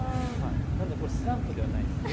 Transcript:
なのでこれスランプではないです。